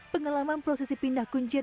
pengelaman prosesi pindah kuncir